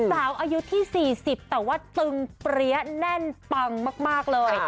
สาวอายุที่๔๐แต่ว่าตึงเปรี้ยแน่นปังมากเลย